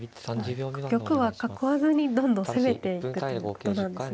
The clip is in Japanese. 玉は囲わずにどんどん攻めていくということなんですね。